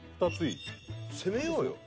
攻めようよ。